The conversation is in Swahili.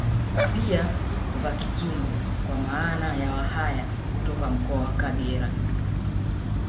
Pia Vakizungo kwa maana ya Wahaya kutoka mkoa wa Kagera